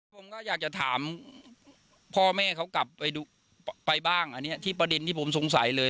ผมก็อยากจะถามพ่อแม่เขากลับไปดูไปบ้างอันนี้ที่ประเด็นที่ผมสงสัยเลย